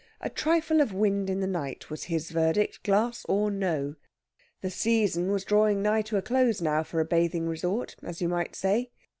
A trifle of wind in the night was his verdict, glass or no! The season was drawing nigh to a close now for a bathing resort, as you might say.